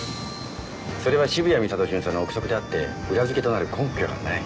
それは渋谷美里巡査の臆測であって裏付けとなる根拠がない。